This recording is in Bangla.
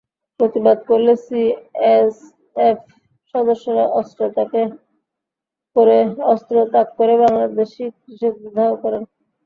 প্রতিবাদ করলে বিএসএফ সদস্যরা অস্ত্র তাক করে বাংলাদেশি কৃষকদের ধাওয়া করেন।